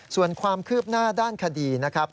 ส่วนความคืบหน้าด้านคดีนะครับ